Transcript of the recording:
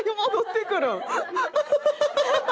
ハハハハ！